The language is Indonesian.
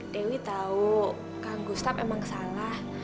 dewi tau kang gustaf emang salah